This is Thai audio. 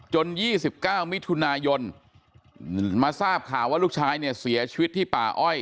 ๒๙มิถุนายนมาทราบข่าวว่าลูกชายเนี่ยเสียชีวิตที่ป่าอ้อย